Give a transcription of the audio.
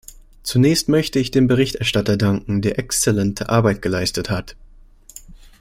Zunächst möchte ich dem Berichterstatter danken, der exzellente Arbeit geleistet hat.